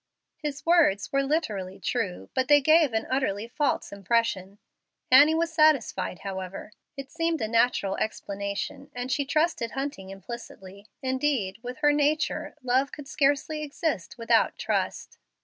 His words were literally true, but they gave an utterly false impression. Annie was satisfied, however. It seemed a natural explanation, and she trusted Hunting implicitly. Indeed, with her nature, love could scarcely exist without trust.